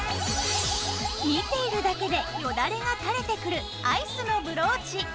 見ているだけでよだれが垂れてくるアイスのブローチ。